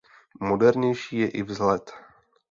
Modernější je i vzhled.